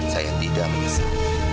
saya tidak menyesal